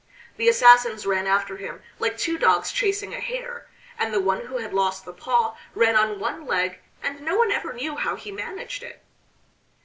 The assassins ran after him like two dogs chasing a hare; and the one who had lost the paw ran on one leg and no one ever knew how he managed it.